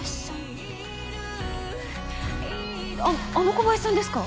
あっあの小林さんですか？